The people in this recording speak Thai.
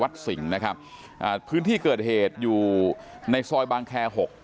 สิงห์นะครับอ่าพื้นที่เกิดเหตุอยู่ในซอยบางแคร์หก